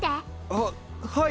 はっはい！